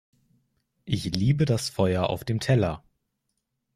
Ich liebe das Feuer auf dem Teller!